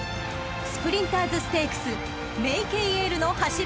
［スプリンターズステークスメイケイエールの走りに注目！］